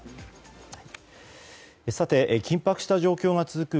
さて、緊迫した状況が続く